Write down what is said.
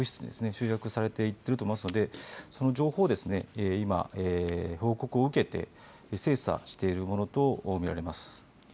集約されていっていると思いますのでその情報を今報告を受けて精査しているものとみられます。